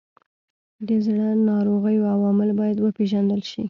د زړه ناروغیو عوامل باید وپیژندل شي.